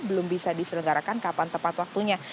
belum bisa diselenggarakan kapan tepat waktunya